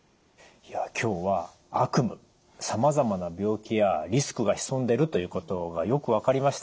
いや今日は悪夢さまざまな病気やリスクが潜んでるということがよく分かりました。